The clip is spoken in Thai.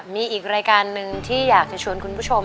มีอีกรายการหนึ่งที่อยากจะชวนคุณผู้ชม